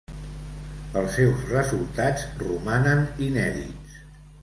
Els seus resultats romanen inèdits.